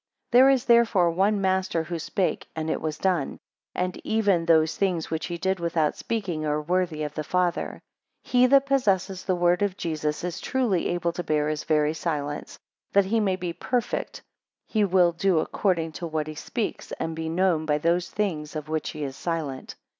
20 There is therefore one master who spake, and it was done; and even those things which he did without speaking, are worthy of the Father. 21 He that possesses the word of Jesus, is truly able to bear his very silence. That he may be perfect, he will do according to what he speaks, and be known by those things of which he is silent.